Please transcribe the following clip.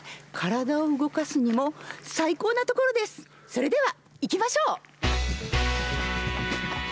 それでは行きましょう！